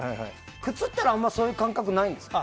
靴ってのはあんまりそういう感覚ないんですね。